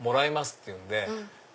って言うんで。